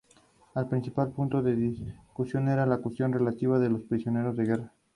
El "Llibre Verd" es una compilación en cuatro volúmenes, escritos sobre pergamino.